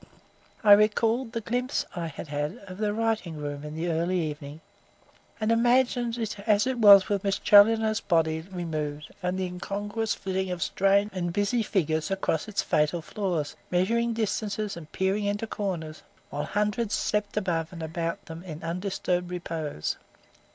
I recalled the glimpse I had had of the writing room in the early evening, and imagined it as it was with Miss Challoner's body removed and the incongruous flitting of strange and busy figures across its fatal floors, measuring distances and peering into corners, while hundreds slept above and about them in undisturbed repose.